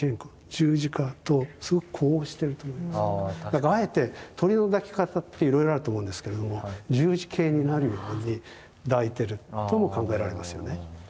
だからあえて鳥の抱き方っていろいろあると思うんですけれども十字形になるように抱いてるとも考えられますよね。